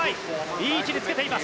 いい位置につけています。